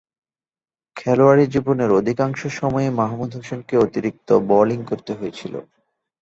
খেলোয়াড়ী জীবনের অধিকাংশ সময়ই মাহমুদ হোসেনকে অতিরিক্ত বোলিং করতে হয়েছিল।